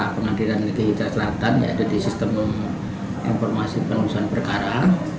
pengadilan negeri jakarta selatan yaitu di sistem informasi penelusuan perkara